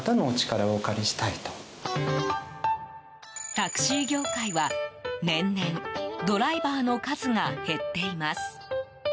タクシー業界は年々ドライバーの数が減っています。